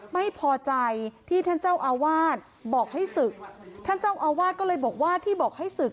ไม่พอใจที่ท่านเจ้าอาวาสบอกให้ศึกท่านเจ้าอาวาสก็เลยบอกว่าที่บอกให้ศึก